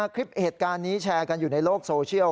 คลิปเหตุการณ์นี้แชร์กันอยู่ในโลกโซเชียล